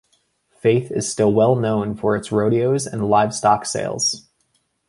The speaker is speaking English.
Faith is still well known for its rodeos and livestock sales.